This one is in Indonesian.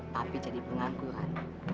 papi jadi pengangguran